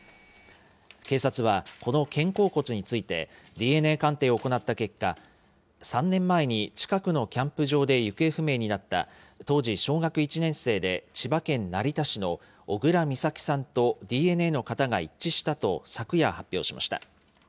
警察は、この肩甲骨についてＤＮＡ鑑定を行った結果、３年前に近くのキャンプ場で行方不明になった当時小学１年生で千葉県成田市の小倉美咲さんとＤＮＡの型が一致したと昨夜、発表しました。